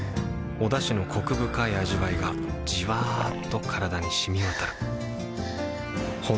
おだしのコク深い味わいがじわっと体に染み渡るはぁ。